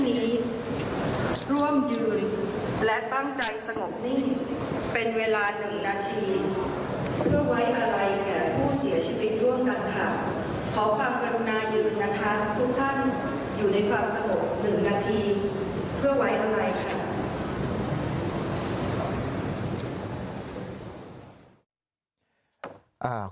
เพื่อไว้อะไรค่ะ